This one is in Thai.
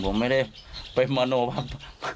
ผมไม่ได้ไปมโนบ้าง